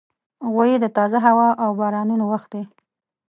غویی د تازه هوا او بارانونو وخت دی.